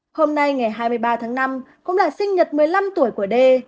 hôm nay ngày hai mươi ba tháng năm cũng là sinh nhật một mươi năm tuổi của d